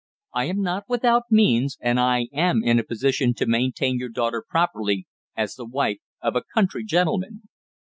I am not without means, and I am in a position to maintain your daughter properly, as the wife of a country gentleman."